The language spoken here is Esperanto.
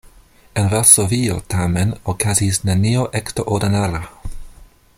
En Varsovio tamen okazis nenio eksterordinara.